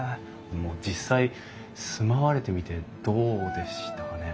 実際住まわれてみてどうでしたかね？